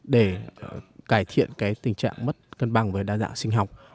để cải thiện tình trạng mất cân bằng với đa dạng sinh học